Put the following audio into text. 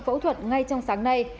phẫu thuật ngay trong sáng nay